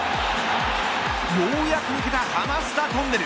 ようやく抜けたハマスタトンネル。